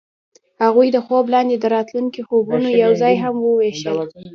هغوی د خوب لاندې د راتلونکي خوبونه یوځای هم وویشل.